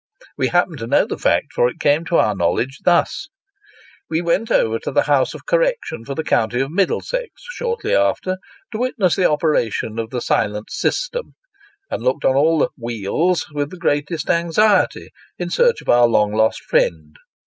Wa happen to know the fact, for it came to our knowledge thus : We went over the House of Correction for the county of Middlesex shortly after, to witness the operation of the silent system ; and looked on all the " wheels " with the greatest anxiety, in search of our long lost friend.